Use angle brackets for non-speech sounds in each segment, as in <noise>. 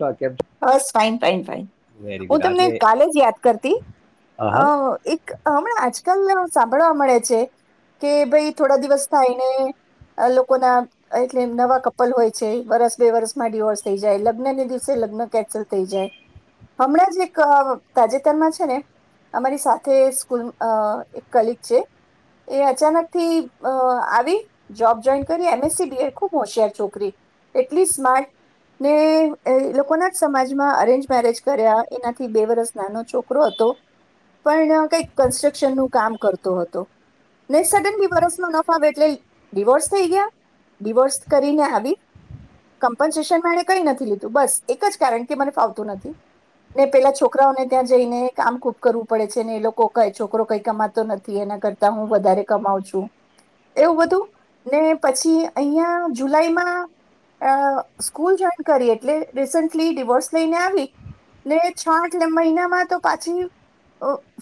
તો કેમ બસ fine fine fine very good હું તમને આજે કાલે જ યાદ કરતી હા અ એક હમણાં આજકાલ સાંભળવા મળે છે કે ભાઈ થોડા દિવસ થાયને લોકો ના એટલે નવા કપલ હોય છે વરસ બે વરસમાં ડડીવોર્સ થઈ જાય લગ્નને દિવસે લગન કેનસલ થય જાય હમણાં જ એક તાજેતરમાં છે ને અમારી સાથે સ્કૂલ એક કલિક છે એ અચાનક થી આવી જોબ જોઈન કરી એમએસસી બીડ ખુબ હોશિયાર છોકરી એટલી સ્માર્ટ ને એ લોકોના સમાજમાં અરેન્જ મેરેજ કર્યા એનાથી બે વરસ નાનો છોકરો હતો પણ કઈક કન્સ્ટ્રક્શન નું કામ કરતો હતો ને સડન બી વરસ ન નફા એટલે ડિવોર્સ થઈ ગયા ડિવોર્સ કરીને આવી કમ્પન્સેશનમાં એણે કઈ નથી લીધું બસ એક જ કારણ કે મને ફાવતું નથી ને પેલા છોકરાઓને ત્યાં જઈને કામ ખૂબ કરવું પડે છે ને એ લોકો ક છોકરો કઈ કમાતો નથી એના કરતા હું વધારે કમાવ છું એવું બધું ને પછી અહં જુલાઈમાં સ્કૂલ જોઈન કરી એટલે રસ ડિવોર્સ લઈને આવી ને છ આટ મહિનામાં તો પાછી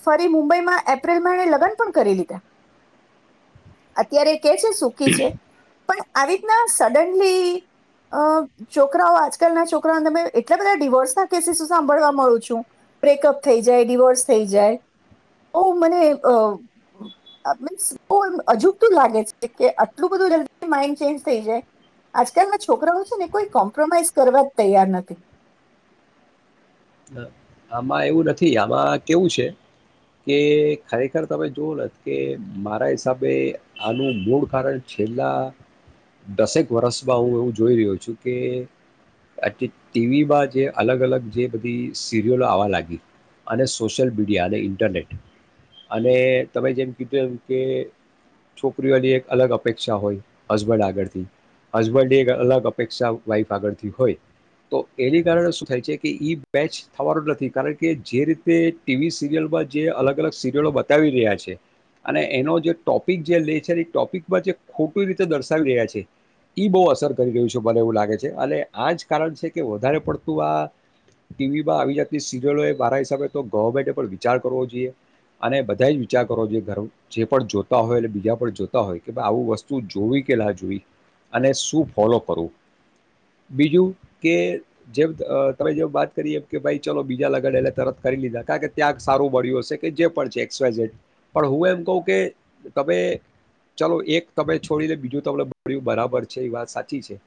ફરી મુંબઈમાં એપ્રિલમાં લગ્ન પણ કરી લીધા અત્યારે કે છે સુખી છે પણ આવી રીતના સડનલી અ છોકરાઓ આજકાલના છોક રા તમે એટલા બધા ડિવોર્સ ના કેસીસ સાંભળવા મળું છું બ્રેકઅપ થઈ જાય ડિવોર્સ થઈ જાય બોવ મને મીન્સ બ અજુબતું લાગે છે કે આટલું બધું જલ્દી માઇન્ડ ચેન્જ થઈ જાય આજકાલના છોકરાઓ છે ને કોઈ કોમ્પ્રોમાઈઝ કરવા તૈયાર નથી આમાં એવું નથી આમાં કેવું છે કે ખરેખર તમે જોવો કે મારા હિસાબે આનું મૂળ કારણ છેલ્લા દસેક વર્ષમાં હું એવું જોઈ રહ્યો છું કે આ ટીવીમાં જે અલગ અલગ જે સીરિયલો આવવા લાગી અને સોશિયલ મીડિયા અને ઇન્ટરનેટ અને તમે જેમ કીધું એમ કે છોકરીઓની એક અલગ અપેક્ષા હોય હસબન્ડ આગળથી હસબન્ડની એક અલગ અપેક્ષા વાઈફ આગળથી હોય તો એની કારણે શું થાય છે કે બેચ થવાનું નથી કારણ કે જે રીતે ટીવી સિરિયલમાં જે અલગ અલગ સિરિયલો બતાવી રહ્યા છે અને એનો જે ટોપિક જે લે છે એ ટોપિકમાં જે ખોટી રીતે દર્શાવી રહ્યા છે. ઈ બહુ અસર કરી રહ્યું છે મને એવું લાગે ગે છે આજ કાર છે કે વધારે પડતું આ ટીવીમાં આવી જાતની સિરિયલોએ મારા હિસાબે તો ગવર્મેન્ટે પણ વિચાર કરવો જોઈએ અને બધા જ વિચાર કરવો જોઈએ ઘર જે પણ જોતા હોય એટલે બીજા પણ જોતા હોય કે ભાઈ આવું વસ્તુ જોવી કે ના જોઈ અને શું ફોલો કરવું બીજું કે જે અ તમે જે વાત કરી એમ કે ભાઈ ચલો બીજા લગ્ન એલે તરત કરી લીધા કારણ કે ત્યાં સારું મળળ્યું હશે કે જે પણ છે એક્સવાઝેડ પણ હું એમ કહું કે તમે ચલો એક તમે છોડીને બીજું તમને મળ્યું બરાબર છે એ વાત સાચી છે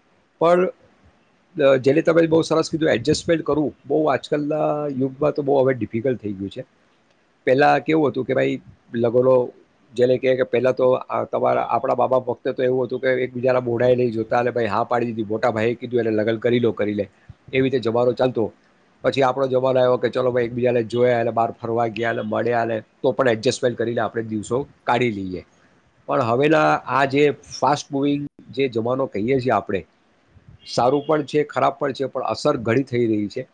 પણ જેને તમે બહુ સરસ કીધું એડજસ્ટમેન્ટ કરું બહુ આજકાલના યુગમાં તો બહુ હવે ડિફિકલ્ટ થઈ ગયું છે પહેલાં કેવું હતું કે ભાઈ લગલો જેને કહે કે પહેલાં તો તમારા આપણા બાબા વખતે તો એવું હતું કે એકબીજાના બોઢએ નહીં જોતા અનેલે ભાઈ હા પાડી દીધી મોટા ભાઈ કીધું એને લગન કરી લો કરી લે એવી રીતે જવારો ચાલતો પછી આપડો જમાનો આવ્યો કે ચલોઈ એકબીજાને જોયા એલે બાર ફરવા ગયા એલે મળ્યાને તો પણ એડજસ્ટમેન્ટ કરી લે આપણે દિવસો કાઢી લઈએ પણ હવેના આ જે ફાસ્ટ મુવિંગ જે જમાનો કહીએ છીએ આપણે સારું પણ છે ખરાબ પણ છે પણ અસર ઘણી થઈ રહી છે.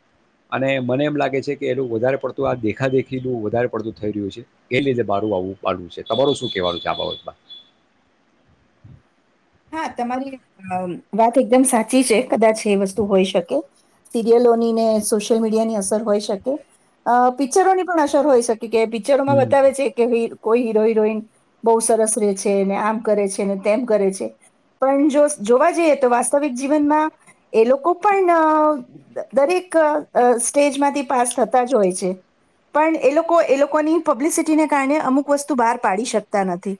અને મને એમ લાગે છે કે એલું વધારે પડતું આ દેખાદેખીનું વધારે પડતું થઈ રહ્યું છે. એ લીધે મારું આવું પાડું છે તમારું શું કેવાનું છે આ બાબતમાં હા તમારી અમ વાત એકદમ સાચી છે. કદાચ એ વસ્તુ હોઈ શકે સિરિયલો ની ને સોશિયલ મીડિયા ની અસર હોય શકે અ પિક્ચરોની પણ અસર હોય શ પિક્ચરોમાં હમ બતાવે છે કે ભ કોઈ હીરો-હિરોઈન બહુ સરસ રહે છે ને આમ કરે છે ને તેમ કરે છે. પણ જો જોવા જઈએ તો વાસ્તવિક જીવનમાં એ લોકો પણ અ દરેક અ સ્ટેજમાંથી પાસ થતા જ હોય છે પણ એ લોકો એ લોકોની પબ્લિસિટીને કારણે અમુક વસ્તુ બહાર પાડી શકતા નથી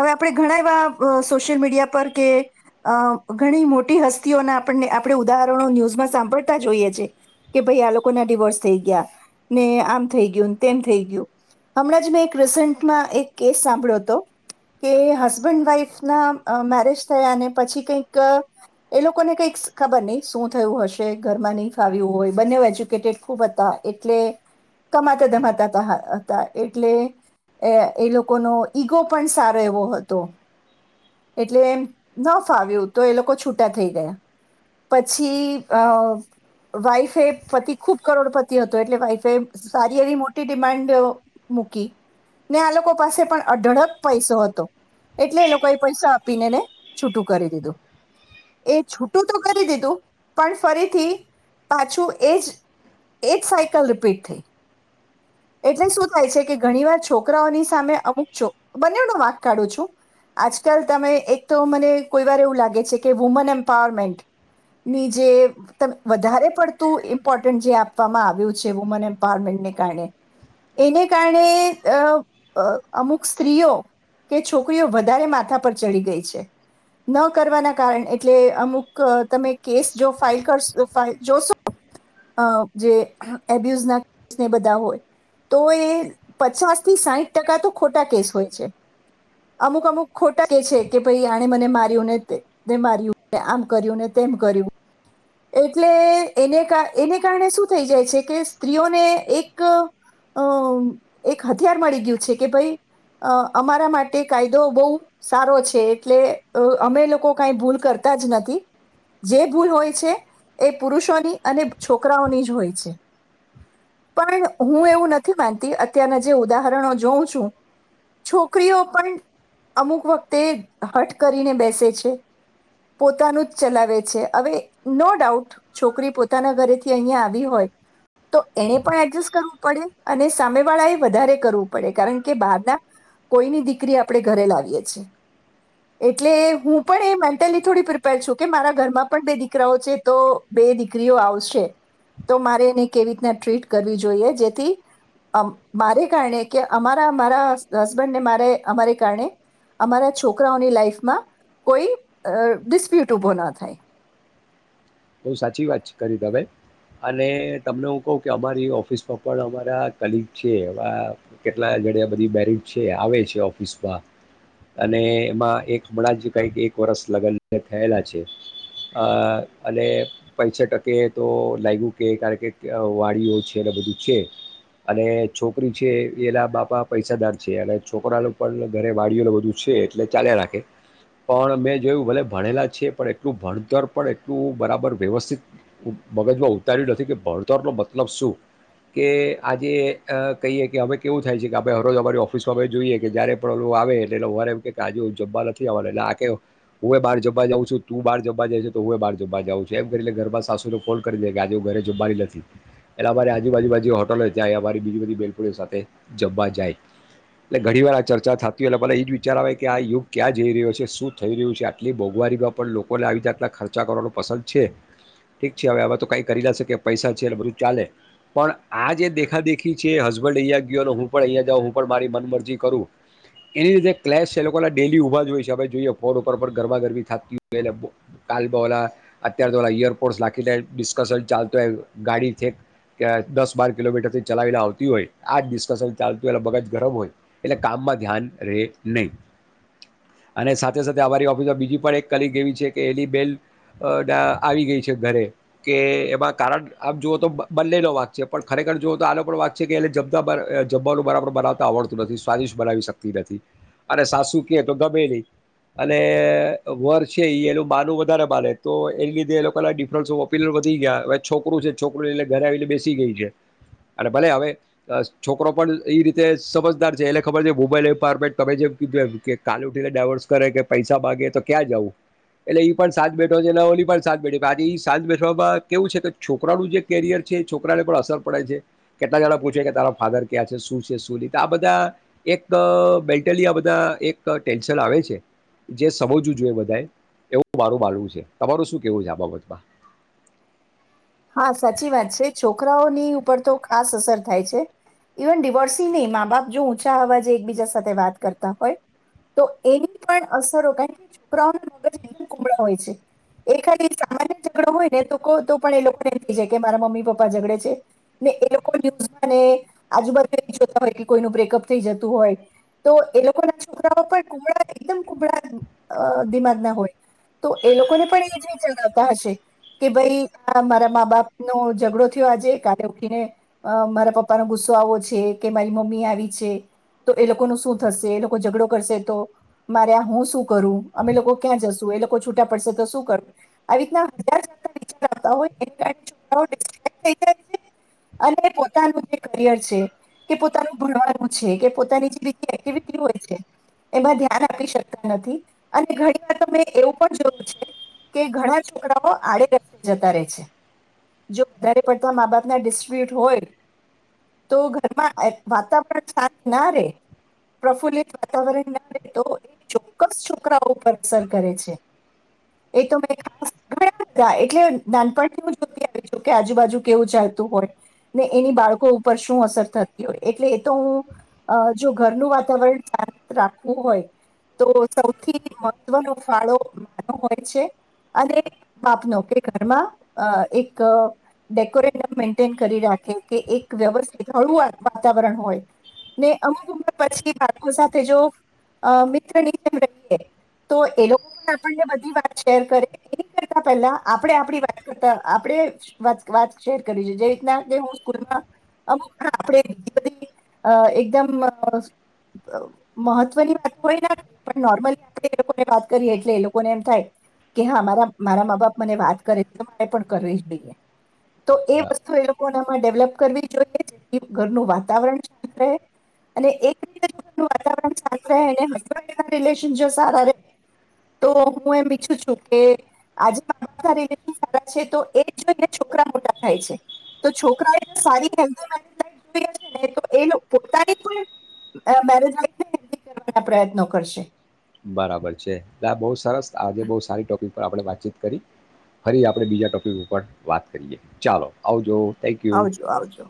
હવે આપણે ઘણા એવા અ સોશિયલ મીડિયા અ ઘણી મોટી હસ્તીઓના આપ આપણે ઉદાહરણો ન્યૂઝમાં સાંભળતા જોઈએ છે, કે ભાઈ આ લોકો ના ડડીિવોર્સ થઈ ગયા, ને આમ થઈ ગયું તેમ થઈ ગયું, હમણાં જ મેં એક રીસન્ટમાં એક કેસ સાંભળ્યો હતો, કે હસબન્ડ વાઈફ ના અ મે મેરેજ થયા અને પછી કઈક એ લોકોને કઈક ખબર નહ શું થયું હશે ઘરમાં નહી ફાવ્યું હોય બંને એજ્યુકેટેડ ખૂબ હતા. એટલે કમાતા ધમાતા હતા, એટલે એ લોકોનો ઈગો પણ સારો એવો હતો. એટલે ન ફાવ્યું તો એ લોકો છૂટા થઈ ગયા, પછી અ વાઈફ એ પતિ ખુબ કરોડપતિ હતો એટલે વાઈફે સારી એવી મોટી ડિમાન્ડ મૂકી, ને આ લોકો પાસે પણ અઢળક પૈસો હતો, એટલે એ લોકો એ પૈસા પીનેને છૂટું કરી દીધું, એ છૂટું તો કરી દીધું પણ ફરીથી પાછું એજ, એજ સાયકલ રિપીટ થઈ, એટલે શું થાય છે કે ઘણીવાર છોકરાઓની સામે અમુક છોક બંનેનો વાક કાઢું છું, આજકાલ તમે એક તો મને કોઈ વાર એવું લાગે છે કે વુમન એમ્પાવરમેન્ટ, ની જે વધારે પડતું ઇમ્પોર્ટન્ટ જે આપવામાં આવ્યું છે વુમન એમ્પાવરમેન્ટને કારણે, એને કારણે અ અ અમુક સ્ત્રીઓ કે છોકરીઓ વધારે માથા પર ચડી ગઈ છે, ન કરવાના કારણે એટલે અમુક તમે કેસ જો ફાઇલ કરશો ફાઇલ જોશો અ જે અહ, એબ્યુઝ ના કે ને બધા હોય, તો એ પચાસ થી સાહીઠ ટકા તો ખોટા કેસ હોય છે, અમુક-અમુક ખોટા કે છે કે ભાઈ આણે મને માર્યું ને તે માર્યું, આમ કર્યું ને તેમ કર્યું. એટલે એને કારણ એને કારણે શું થઈ જાય છે કે સ્ત્રીઓને એક, અ એક હથિયાર મળી ગયું છે કે ભઈ અ અમારા માટે કાયદો બહુ સારો છે એટલે અ અમે લોકો કઈ ભૂલ કરતા જ નથી, જે ભૂલ હોય છે એ પુરુષોની અને છોકરાઓની જ હોય છે, પણ હું એવું નથી માનતી અત્યારના જે ઉદાહરણો જોઉં છું, છોકરીઓ પણ અમુક વખતે હઠ કરીને બેસે છે, પોતાનું જ ચલાવે છે હવે નો ડાઉટ છોકરી પોતાના ઘરેથી અહિયા આવી હોય, તો એણે પણ એડજસ્ટ કરવું પડે અને સામે વાળા એ વધારે કરવું પડે. કારણ કે, બહારના કોઈની દીકરી આપણે ઘરે લાવીએ છીએ, એટલે હું પણ એ મેન્ટલી થોડી પ્રિપેર છું કે મારા ઘરમાં પણ બે દીકરી દીકરાઓ છે તો બે દીકરીઓ આવશે, તો મારે એને કેવી રીતના ટ્રીટ કરવી જોઈએ જેથી, અ મારે કારણે કે અમારા મારા હસબન્ડને મારે અમારે કારણે, અમારા છોકરાઓની લાઈફમાં કોઈ ડિસ્પ્યુટ ઉભો ન થાય. બઉ સાચી વાત છે કરી તમે, અને તમને હું કહું કે અમારી ઓફિસમાં પણ અમારા કલીગ છે એ કેટલા ઘડ બધી મેરિડ છે આવે છે ઓફિસમાં, અને એમાં એક હમણાં જ કઈક એક વર્ષ લગ્ન થયેલા છે, અ અને પૈસા ટકે તો અ લાગ્યું કે કારણ કે વાડીઓ છે એલે બધું છે, અને છોકરી છે એલા બાપા પૈસાદાર છે અને છોકરાનું પણ ઘરે વાડીઓને બધું છે એટલે ચાલ્યા રાખે પણ મેં જોયું ભલે ભણેલા છે, પણ એટલું ભણતર પણ તું બરાબર વ્યવસ્થિત મગજમાં ઉતાર્યું નથી કે ભણતરનો મતલબ શું? કે આજે કહીએ કે અમે કેવું થાય છે કે ભાઈ હરોજ અમારી ઓફ ઓફસ હે જોઈએ કે જ્યારે પ્રોબ્લમ આવે અડીએનો વર એમ કે આજે હું જમવા નથી આવવાનો એટલે આ કે હું, એ બહાર જમવા જઉ છું તું બાર જવા જાય છે તો હું બાર એમ કરી ઘરમાં સાસુને ફોન કરી દે કે આજે ઘરે જમવાની નથી, એટલે અમારી આજુબાજુ જયા હોટલો ત્યાં અમારી બીજી બધી બેનપણીઓ સાથે જમવા જાય, એટલે ઘણી વાર આ ચર્ચા થતી હોય એટલે મને એ જ વિચાર આવે કે આ યુગ ક્યાં જઈ રહ્યો છે? શું થઈ રહ્યું છે? આટલી મોંઘવારીમાં પણ લોકોને આવી જતના ખર્ચા કરવાનું પસંદ છે ઠીક છે હવે આવા તો કઈ કરી લ શકે પૈસા છે એટલે બધું ચાલે. પણ આ જે દેખાદેખી છે હસબન્ડ અહિયા ગયો હું પણ અહીંયા જાઉં હું મારી મન મરજી કરું, એને લીધે ક્લેસ એ લોકો ડેઇલી ઉભા જ હોય ભાઈ જોઈએ ફોન ઉપર પણ ગરબા ગરમી થાપતી હોય એટલે કાલ બલા અત્યારે તો ઓલા ઈયરપોર્ટસ લાખીને ડિસ્કશન ચાલતું હોય ગાડી છેક દસ-બાર કિલોમીટર થી ચલાવીને આવતી હોય, આ જ ડિસ્કશન ચાલતું હોય મગજ ગરમ હોય. એટલે કામમાં ધ્યાન રે નહી. અને સાથે-સાથે અમારી ઓફિસમાં બીજી પણ એક કલિક એવી છે. કે એની બલ્ટ- અ ડા આવી ગઈ છે ઘરે, કે એમાં કારણ આમ જુઓ તો બંનનો વાક છે પણ ખરેખર જુઓ તો આનો પણ વાક છે કે એ જમતા જમવાનું બરાબર બનાવતા આવડતું નથી સ્વાદિષ્ટ બનાવી શકતી નથી. અને સાસુ કે તો ગમે નહી, અને એ વર્ષે એ લોકો બાલું વધારે બાલે. એ લીધે એ લોકો ડિફરન્સપ વધી ગયા હવે છોકું છે છોકું એ ઘરે આવી બેસી ગઈ છે, અને ભલે હવે છોકરો પણ એ રીતે સમજદાર છે એલે ખબર છે મોબાઈલ એ તમે જેમ કીધું કે કાલ ઉઠીને ડાયવર્સ કરે કે પૈસા માગે તો ક્યાં જવું, એટલે ઈ પણ સાજ ઓની પણ સા બેઠી આજે સાંત બેઠવામાં કેવું છે કે છોકરાનું જે કેરિયર છે. છોકરા ને પણ અસર પડે છે, કેટલા જણા પૂછે કે તારા ફાધર ક્યાં છે શું છે સુલીત આ બધા એક બેલ્ટલી આ બધા એક ટેન્શન આવે છે, જે સમજવું જોઈએ બધાએ, એવું મારું માનવું છે. તમારું શું કેવું છે આ બાબતમાં? હા સાચી વાત છે છોકરાઓની ઉપર તો ખાસ અસર થાય છે. ઇવન ડિવોર્સ નહી મા બાપ જો <unintelligible> એક બીજા સાથે વાત કરતા હોય. તો એની પણ અસરો કારણ કે છોકરા મગજ કુમળા હોય છે. એ ખાલી સામાન્ય ઝગડો હોય ને તોકો એ લોકોને થઈ જાય કે મારા મમ્મી પપ્પા ઝઘડે છે. ને એ લોકો <unintelligible> આજુબાજુ જોતા હોય કોઈનુ બ્રેકઅપ થઈ જતું હોય. તો એ લોકો ના છોકરાઓ પણ કુબડા એકદમ કુબડા અ દિમાગ ના હોય. તો એ લોકોને પણ એ જ જણાવતા હશે. કે ભાઈ આ મારા મા બાપનો ઝઘડો થયો આજે કલે ઉઠીને મારા પપ્પાનો ગુસ્સો આવો છે. કે મારી મમ્મી આવી છે. તો એ લોકો નુ શું થશે. એ લોકો ઝઘડો કરશે તો. મારે આ હું શું કરું? અમે લોકો ક્યાં જશું? એ લોકો છૂટા પડશે તો શું કરવું? આવી રીતના હજાર <unintelligible> પોતાનું જે કેરિયર છે. કે છોકરાનું ભણવાનું છે. કે પોતાની જે બી એક્ટિવિટી હોય છે. એમાં ધ્યાન આપી શકતા નથી. અને ઘણી વાર મેં એવું પણ જોયું છે. કે ઘણા છોકરાઓ આડે રસ્ જતા રહે છે. જો વધારે પડતા મા બાપના ડિસ્પ્યુટ હોય. તો ઘરમાં વાતાવરણ સાત ના રહેે. પ્રફુલ્લિત વાતાવરણ ના રહે તો એ ચોક્કસ છોકરાઓ ઉપર અસર કરે છે. એ તો <unintelligible> એટલે નાનપણથી હું <unintelligible> કે આજુબાજુ કેવું ચાલતું હોય. ને એની બાળકો ઉપર શું અસર થતી હોય. એટલે એ તો હું જો ઘરનું વાતાવરણ શાંત રાખવું હોય તો સૌથી મહત્વનો ફાળો માનો હોય છે અને બાપનો કે ઘરમાં અ એક ડેકોરેટમ મેન્ટેન કરી રાખે કે એક વ્યવસ્થિત હળું વાતાવરણ હોય. ને અમુક ઉમર પછી બાળકો સાથે જો અ મિત્રની જેમ રહીએ. તો એ લોકો પણ આપણને બધી વાત શેર કરે. એ કરતા પહેલા આપણે આપ વાત કરતા આપડે વાત વાત શેર કરી જોઈએ. જે રીતના કે હું સ્કૂલમાં અમુક આપણે બ બધી એકદમ મઅ મહત્વની વાત હોય પણ નોર્મલી લોકો વાત કરીએ. એટલે એ લોકોને એમ થાય કે હા મારા મારા મા બાપ મને વાત કરે એ પણ કરવી જ જોઈએ તો એ વસ્તુ એ લોકોને ડેવલપ કરવી જોઈએ. ઘરનું વાતાવરણ સ રહે. અને એક રીતેનું વાતાવરણાંત શાંત રહે <unintelligible> રિલેશન જો સારા રહે, તો હું એમ ઈચ્છું છું કે આજના <unintelligible> છે તો એ જોઈ છોકરા મોટા થાય છે. તો છોકરા <unintelligible> પ્રયનો કરશે બરાબર છે. આ બહુ સરસ આજે બહુ સારી ટોપિક પર આપણે વાતચીત કરી. ફરી આપણે બીજા ટોપિક ઉપર વાત કરીએ. ચાલો આવજો. થેન્ક યુ આવજો આવજો.